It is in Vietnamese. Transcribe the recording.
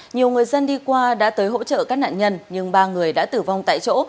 nhiều người dân đi qua đã tới hỗ trợ các nạn nhân nhưng ba người đã tử vong tại chỗ